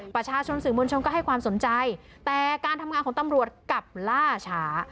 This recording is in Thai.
ประชาชนสื่อมวลชนก็ให้ความสนใจแต่การทำงานของตำรวจกลับล่าช้า